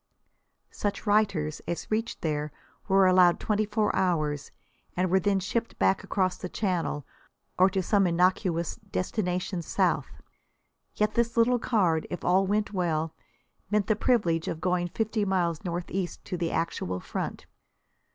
Such writers as reached there were allowed twenty four hours, and were then shipped back across the Channel or to some innocuous destination south. Yet this little card, if all went well, meant the privilege of going fifty miles northeast to the actual front.